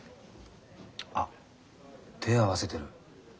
あ手ぇ合わせてる。